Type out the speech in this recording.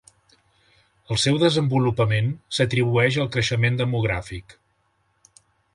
El seu desenvolupament s'atribueix al creixement demogràfic.